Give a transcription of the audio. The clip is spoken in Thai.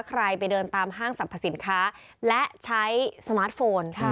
ใครไปเดินตามห้างสรรพสินค้าและใช้สมาร์ทโฟน